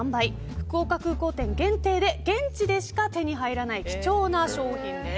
福岡空港店限定で現地でしか手に入らない貴重な商品です。